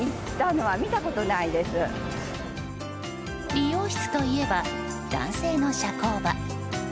理容室といえば男性の社交場。